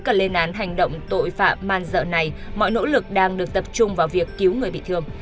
các lên án hành động tội phạm man dợ này mọi nỗ lực đang được tập trung vào việc cứu người bị thương